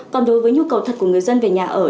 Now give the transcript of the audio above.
còn đối với nhu cầu thật của người dân về nhà ở